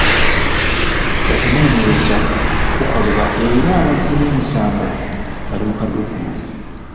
Okunoonyeraza kukolebwa era abazzi b'emisango bali mu kaduukulu.